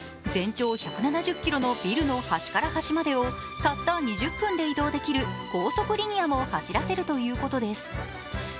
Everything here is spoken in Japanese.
全長１７０ｋｍのビルの端から端までをたった２０分で移動できる高速リニアも走らせるということです。